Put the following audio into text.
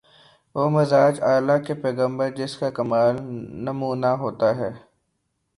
وہ مزاج‘ اللہ کے پیغمبر جس کا کامل نمونہ ہوتے ہیں۔